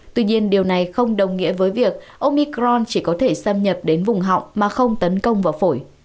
tuy nhiên điều này không đồng nghĩa với việc omicron chỉ có thể xâm nhập đến vùng họng mà không tấn công vào phổi